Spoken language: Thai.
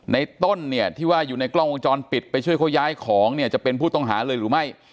ต้นเนี่ยที่ว่าอยู่ในกล้องวงจรปิดไปช่วยเขาย้ายของเนี่ยจะเป็นผู้ต้องหาเลยหรือไม่